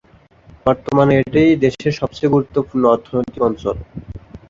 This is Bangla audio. বর্তমানে এটি দেশের সবচেয়ে গুরুত্বপূর্ণ অর্থনৈতিক অঞ্চল।